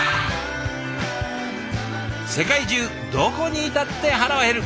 世界中どこにいたって腹は減る。